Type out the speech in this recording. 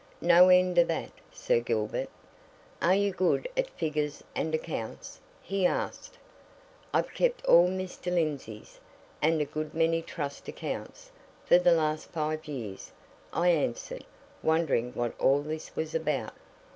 "No end of that, Sir Gilbert!" "Are you good at figures and accounts?" he asked. "I've kept all Mr. Lindsey's and a good many trust accounts for the last five years," I answered, wondering what all this was about.